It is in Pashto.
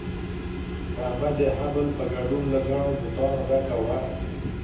کعبه د هبل په ګډون له ګڼو بتانو ډکه وه.